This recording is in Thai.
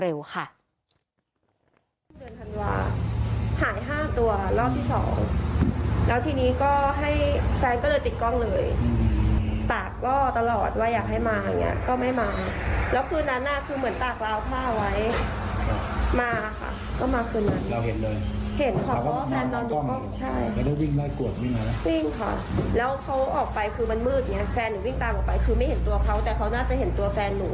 แล้วเขาออกไปคือมันมืดอย่างนี้แฟนหนูวิ่งตามออกไปคือไม่เห็นตัวเขาแต่เขาน่าจะเห็นตัวแฟนหนู